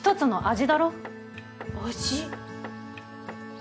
味。